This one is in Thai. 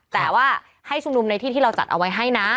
แต่ว่าให้ชุมนุมในที่ที่เราจัดเอาไว้ให้นะ